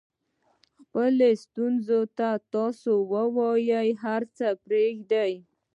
خپلې ستونزې تاسو ته ووایي هر څه پرېږدئ.